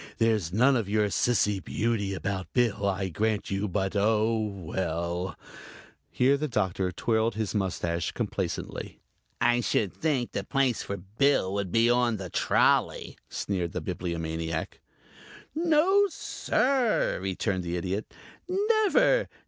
"There's none of your sissy beauty about Bill, I grant you, but oh, well" here the Doctor twirled his mustache complacently. "I should think the place for Bill would be on the trolley," sneered the Bibliomaniac. "No, sir," returned the Idiot. "Never.